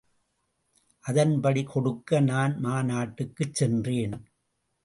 அதன்படி கொடுக்க நான் மாநாட்டுக்குச் சென்றேன்.